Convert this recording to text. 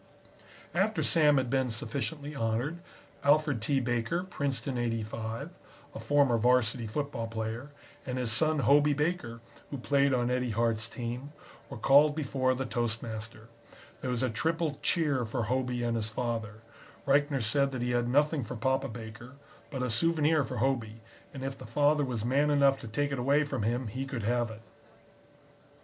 After Sam had been sufficiently honored, Alfred T. Baker, Princeton '85, a former Varsity football player, and his son Hobey Baker, who played on Eddie Hart's team, were called before the toastmaster. There was a triple cheer for Hobey and his father. Reichner said that he had nothing for Papa Baker, but a souvenir for Hobey, and if the father was man enough to take it away from him he could have it.